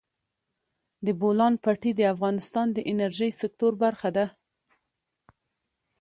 د بولان پټي د افغانستان د انرژۍ سکتور برخه ده.